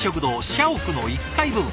社屋の１階部分。